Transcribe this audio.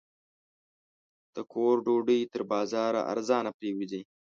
د کور ډوډۍ تر بازاره ارزانه پرېوځي.